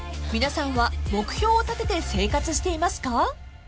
［皆さんは目標を立てて生活していますか？］